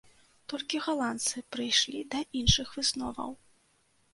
Толькі галандцы прыйшлі да іншых высноваў.